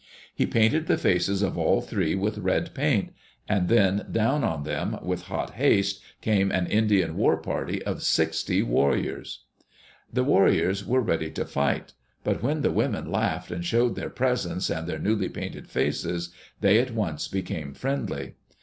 He painted the faces of all three with red paint — and then down on them, with hot haste, came an Indian war party of sixty warriors 1 The warriors were ready to fight. But when the women laughed and showed their presents and their newly painted faces, they at once became friendly.